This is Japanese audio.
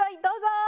どうぞ！